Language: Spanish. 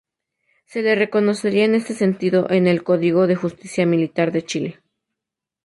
Se le reconocería en este sentido en el Código de Justicia Militar de Chile.